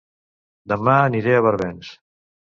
Dema aniré a Barbens